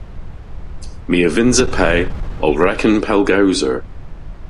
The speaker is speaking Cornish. My a vynnsa pe ow reken pellgowser.